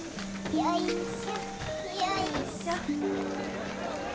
よいしょ。